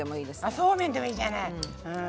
あそうめんでもいいじゃない。